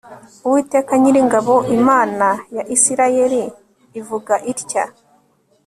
uwiteka nyiringabo imana ya isirayeli ivuga itya